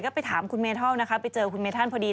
ก็ไปถามคุณเมทัลนะคะไปเจอคุณเมธันพอดี